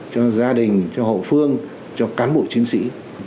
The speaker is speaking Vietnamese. cho gia đình cho hậu phương cho cán bộ chiến sĩ